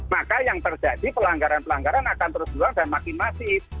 maka yang terjadi pelanggaran pelanggaran akan terus beruang dan makin masif